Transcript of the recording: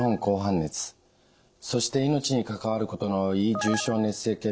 そして命に関わることの多い重症熱性血